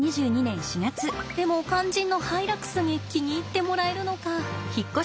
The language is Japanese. でも肝心のハイラックスに気に入ってもらえるのか。